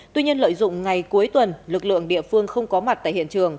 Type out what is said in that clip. tuy nhiên lợi dụng ngày cuối tuần lực lượng địa phương không có mặt tại hiện trường